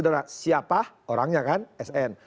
adalah siapa orangnya kan sn